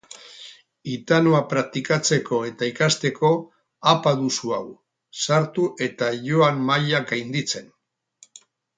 Hitanoa praktikatzeko eta ikasteko appa duzu hau! Sartu eta joan mailak gainditzen.